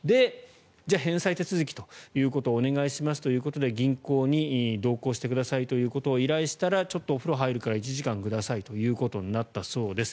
じゃあ返済手続きをお願いしますということで銀行に同行してくださいということを依頼したらちょっとお風呂入るから１時間くださいということになったそうです。